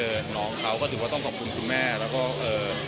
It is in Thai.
คุณแม่น้องให้โอกาสดาราคนในผมไปเจอคุณแม่น้องให้โอกาสดาราคนในผมไปเจอ